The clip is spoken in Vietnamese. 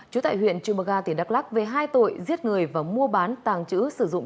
chú tại huyện chùmaga tỉnh đắk lắc về hai tội giết người và mua bán tàng chữ sử dụng